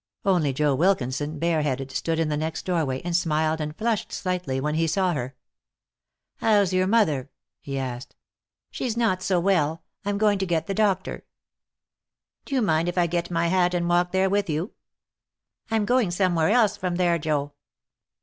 Only Joe Wilkinson, bare headed, stood in the next doorway, and smiled and flushed slightly when he saw her. "How's your mother?" he asked. "She's not so well. I'm going to get the doctor." "Do you mind if I get my hat and walk there with you?" "I'm going somewhere else from there, Joe."